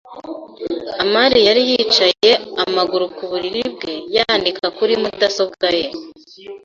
amani yari yicaye amaguru ku buriri bwe, yandika kuri mudasobwa ye.